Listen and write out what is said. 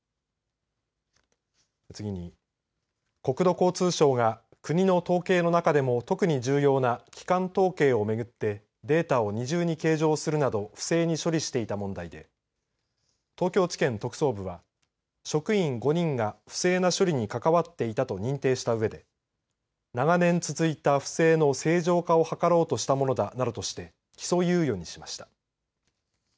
次に、国土交通省が国の統計の中で特に重要な基幹統計を巡ってデータを二重に計上するなど不正に処理していた問題で東京地検特捜部は職員５人が不正な処理に関わっていたと認定したうえで長年続いた不正の正常化を図ろうとしたものだなどとして起訴猶予にしました。